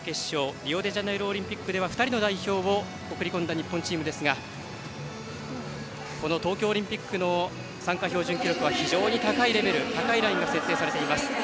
リオデジャネイロオリンピックでは２人の代表を送り込んだ日本チームですが東京オリンピックの参加標準記録は非常に高いレベル、高いラインが設定されています。